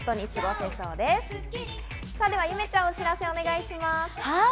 ゆめちゃん、お知らせ、お願いします。